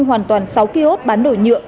hoàn toàn sáu kiosk bán đổi nhựa